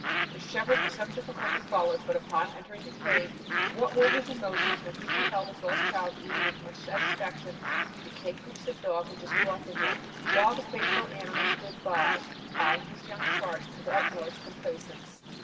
The shepherd with some difficulty followed, but upon entering the cave, what were his emotions when he beheld his lost child eating with much satisfaction the cake which the dog had just brought to him, while the faithful animal stood by, eyeing his young charge with the utmost complacence.